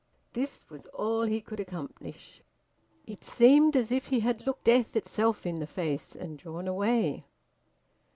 This was all he could accomplish. It seemed as if he had looked death itself in the face, and drawn away.